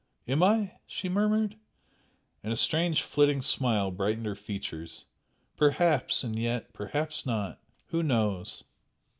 "Am I?" she murmured, and a strange flitting smile brightened her features "Perhaps! and yet perhaps not! Who knows!"